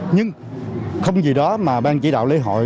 nhưng không gì đó mà ban chỉ đạo lễ hội